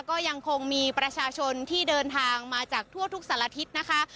ก็ยังคงมีประชาชนที่เดินทางมาจากทั่วทุกสารทิศนะคะ